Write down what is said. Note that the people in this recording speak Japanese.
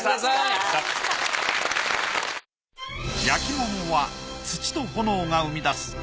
焼物は土と炎が生み出す